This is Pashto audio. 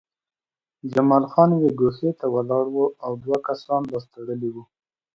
جمال خان یوې ګوښې ته ولاړ و او دوه کسان لاس تړلي وو